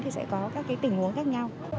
thì sẽ có các tình huống khác nhau